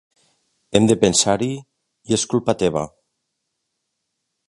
Hem de pensar-hi i és culpa teva.